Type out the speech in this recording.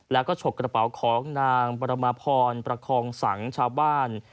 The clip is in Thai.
แล้วก็ฉกกระเป๋าของนางปรมาพรประคองสังชาวบ้าน